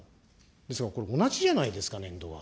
ですがこれ、同じじゃないですか、年度は。